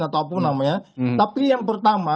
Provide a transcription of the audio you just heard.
ataupun namanya tapi yang pertama